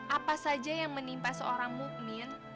apa saja yang menimpa seorang mukmin